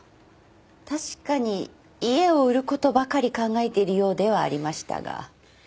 確かに家を売ることばかり考えているようではありましたが。